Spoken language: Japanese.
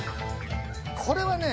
これはね